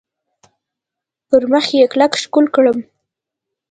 پر مخ یې کلک ښکل کړم .